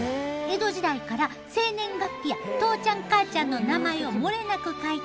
江戸時代から生年月日や父ちゃん母ちゃんの名前を漏れなく書いた「牛籍簿」